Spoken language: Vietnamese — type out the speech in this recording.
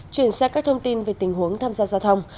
chuyển sang các thông tin về tình huống tham gia giao thông